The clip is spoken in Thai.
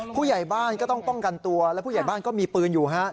ผู้ใหญ่บ้านก็ต้องป้องกันตัวและผู้ใหญ่บ้านก็มีปืนอยู่ครับ